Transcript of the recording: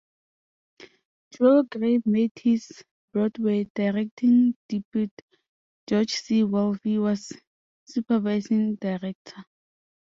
Joel Grey made his Broadway directing debut; George C. Wolfe was supervising director.